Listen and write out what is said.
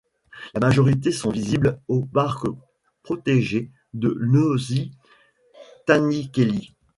La majorité sont visibles au parc protégé de Nosy Tanikely.